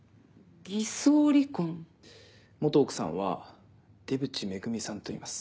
奥さんは出渕恵美さんといいます。